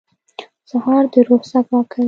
سهار د روح صفا کوي.